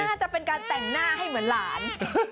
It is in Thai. น่าจะเป็นการแต่งหน้าให้เหมือนหลาน